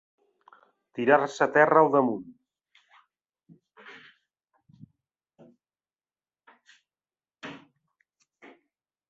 Tirar-se terra al damunt.